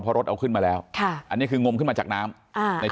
เพราะรถเอาขึ้นมาแล้วอันนี้คืองมขึ้นมาจากน้ำ